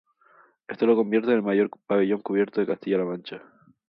Esto lo convierte en el mayor pabellón cubierto de Castilla-La Mancha.